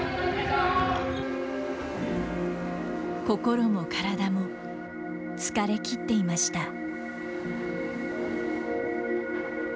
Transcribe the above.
心も体も疲れ切っていました。